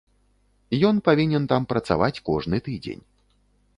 Ён павінен там працаваць кожны тыдзень.